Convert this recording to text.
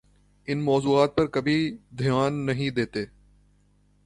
ان موضوعات پر کبھی دھیان نہیں دیتے؟